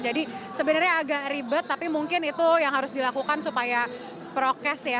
jadi sebenernya agak ribet tapi mungkin itu yang harus dilakukan supaya prokes ya